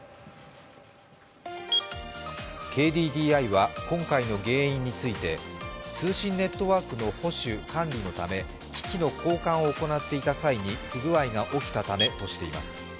ＫＤＤＩは今回の原因について通信ネットワークの保守・管理のため機器の交換を行っていた際に不具合が起きたためとしています。